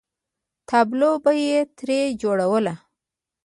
تابلو به یې ترې جوړوله.